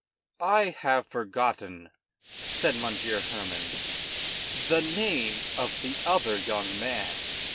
"I have forgotten," said Monsieur Hermann, "the name of the other young man.